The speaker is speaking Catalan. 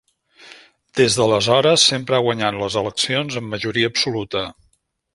Des d'aleshores sempre ha guanyat les eleccions amb majoria absoluta.